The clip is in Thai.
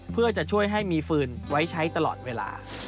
เพื่อจะช่วยให้มีฟืนไว้ใช้ตลอดเวลา